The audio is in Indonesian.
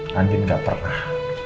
nanti gak pernah